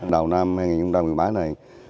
đầu năm hai nghìn một mươi bảy này